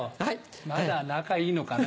まだ仲いいのかな？